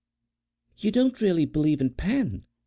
"You don't really believe in Pan?"